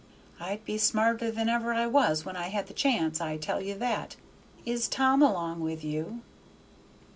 I'd be smarter than ever I was when I had the chance; I tell you that! Is Tom along with you?"